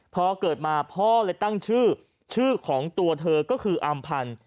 พอเกิดมาพ่อเลยตั้งชื่อชื่อของตัวเธอก็คืออำพันธ์